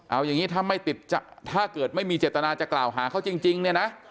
เอาอย่างนี้ถ้าไม่มีเจตนาจะกล่าวหาเขาจริงเนี่ยนะ